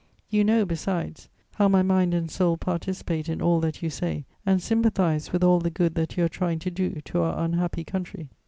You know, besides, how my mind and soul participate in all that you say and sympathize with all the good that you are trying to do to our unhappy country.